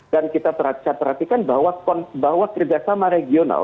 dan kita terhatikan bahwa kerjasama region